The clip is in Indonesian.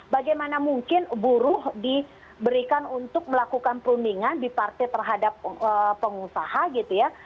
bagaimana mungkin buruh diberikan untuk melakukan perundingan di partai terhadap pengusaha gitu ya